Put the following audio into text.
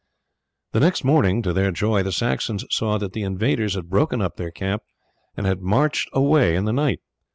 The next morning to their joy the Saxons saw that the invaders had broken up their camp, and had marched away in the night.